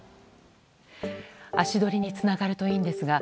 足取りにつながるといいんですが。